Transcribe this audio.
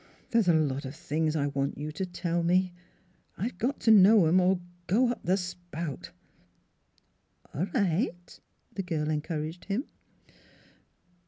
" There's a lot of things I want you to tell me. I've got to know 'em, or go up the spout." " Alrigh t," the girl encouraged him.